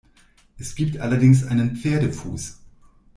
Es gibt allerdings einen Pferdefuß.